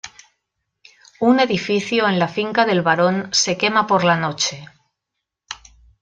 Un edificio en la finca del barón se quema por la noche.